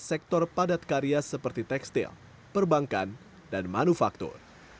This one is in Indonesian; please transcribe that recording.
sektor padat karya seperti tekstil perbankan dan manufaktur